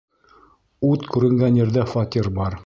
Ут күренгән ерҙә фатир бар.